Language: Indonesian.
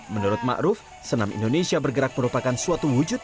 menurut ma'ruf senam indonesia bergerak merupakan suatu wujud